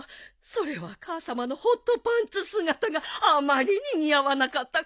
それは母さまのホットパンツ姿があまりに似合わなかったからでは？